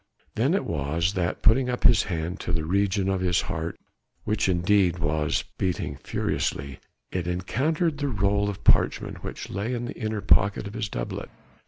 Then it was that putting up his hand to the region of his heart, which indeed was beating furiously, it encountered the roll of parchment which lay in the inner pocket of his doublet.